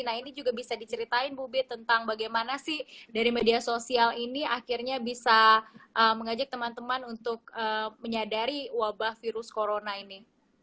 nah ini juga bisa diceritain bu bit tentang bagaimana sih dari media sosial ini akhirnya bisa mengajak teman teman untuk menyadari wabah virus corona ini